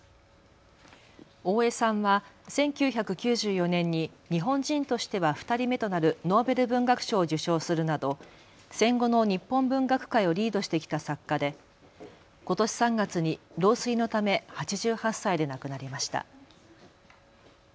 大江さんは１９９４年に日本人としては２人目となるノーベル文学賞を受賞するなど戦後の日本文学界をリードしてきた作家でことし３月に老衰のため８８歳で亡くなりました。